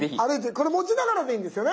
これ持ちながらでいいんですよね？